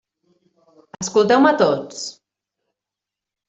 Escolteu-me tots.